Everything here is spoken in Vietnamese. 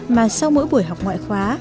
mà sau mỗi buổi học ngoại khóa